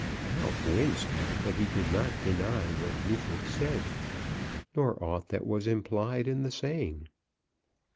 Ralph winced, but he did not deny what Neefit said, nor aught that was implied in the saying.